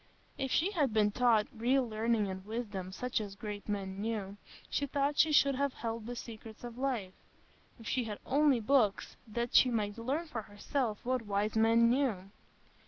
If she had been taught "real learning and wisdom, such as great men knew," she thought she should have held the secrets of life; if she had only books, that she might learn for herself what wise men knew!